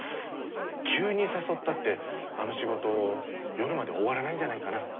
急に誘ったってあの仕事夜まで終わらないんじゃないかな。